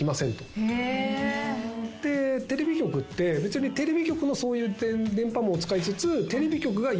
でテレビ局ってテレビ局のそういう電波網を使いつつ。